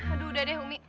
aduh udah deh umi